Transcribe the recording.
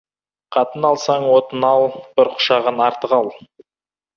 Қатын алсаң, отын ал, бір құшағын артық ал.